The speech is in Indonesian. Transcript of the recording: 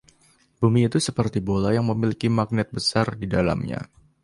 Bumi itu seperti bola yang memiliki magnet besar di dalamnya.